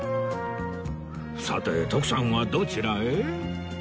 さて徳さんはどちらへ？